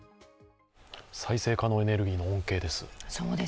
再生可能エネルギーの恩恵です。